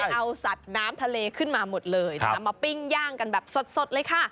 เอาสัตว์น้ำทะเลขึ้นมาหมดเลยนำมาปิ้งย่างกันแบบสดเลยค่ะ